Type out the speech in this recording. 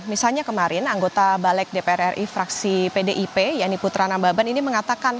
misalnya kemarin anggota balik dpr ri fraksi pdip yani putra nambaban ini mengatakan